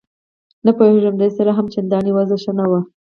نه پوهېږم ده سره یې هم چندان وضعه ښه نه وه.